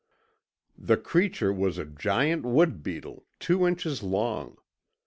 The creature was a giant wood beetle two inches long.